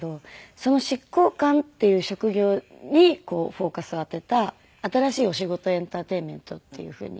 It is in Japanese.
その執行官っていう職業にフォーカスを当てた新しいお仕事エンターテインメントっていうふうに。